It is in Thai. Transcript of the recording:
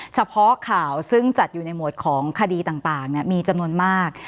เฉพาะข่าวซึ่งจัดอยู่ในหมวดของคดีต่างมีจำนวนมาก